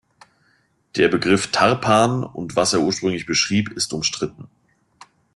Der Begriff „Tarpan“, und was er ursprünglich beschrieb, ist umstritten.